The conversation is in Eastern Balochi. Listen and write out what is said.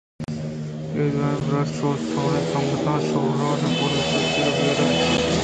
، دوئیں برات، سوھوئیں سنگت۔ وشبوئیں پُل، مستاگری ئیں ھال، سکی ئیں واسیدار، گری ئیں کُچک،